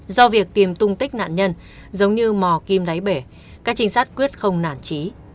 do việc tìm tung tích nạn nhân giống như mò kim đáy bể các trinh sát quyết không nản trí